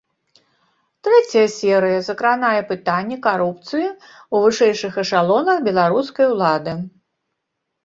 Трэцяя серыя закранае пытанні карупцыі ў вышэйшых эшалонах беларускай улады.